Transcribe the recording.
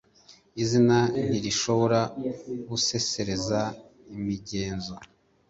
Izina ntirishobora gusesereza imigenzo